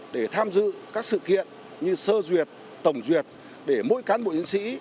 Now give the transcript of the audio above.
để tham dự các sự kiện như sơ duyệt tổng duyệt để mỗi cán bộ chiến sĩ